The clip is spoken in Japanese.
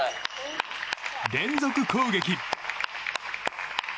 連続攻撃！